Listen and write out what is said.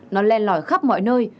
nó len lỏi khắp mọi nơi